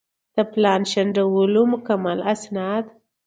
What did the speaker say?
د پلان شنډولو مکمل اسناد